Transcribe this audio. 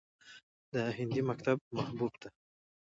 د هندي مکتب محبوب ته